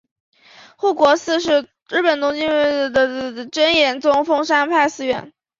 护国寺是日本东京都文京区大冢五丁目的真言宗丰山派寺院。